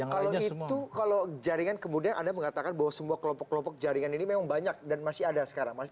kalau itu kalau jaringan kemudian anda mengatakan bahwa semua kelompok kelompok jaringan ini memang banyak dan masih ada sekarang